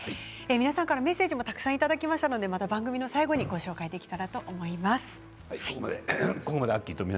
メッセージもたくさんいただきましたので番組の最後にご紹介できたらと思います。